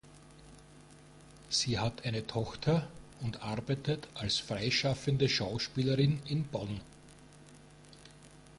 Sie hat eine Tochter und arbeitet als freischaffende Schauspielerin in Bonn.